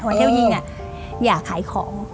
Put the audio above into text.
วันเท้ายิงอะอย่าขายของ